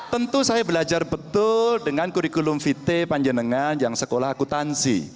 tentu saya belajar betul dengan kurikulum vt panjenengan yang sekolah akutansi